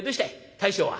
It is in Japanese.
大将は」。